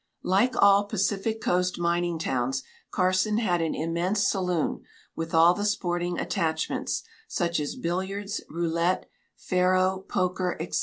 Like all Pacific Coast mining towns, Carson had an immense saloon, with all the sporting attachments, such as billiards, roulette, faro, poker, etc.